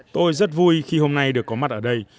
tôi rất vui khi hôm nay được có mặt ở đây